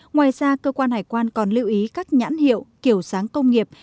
ngoài ra cơ quan hải quan còn lưu ý các nhãn hiệu kiểu sáng công nghiệp